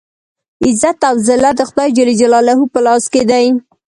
عزت او ذلت د خدای جل جلاله په لاس کې دی.